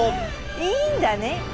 いいんだね。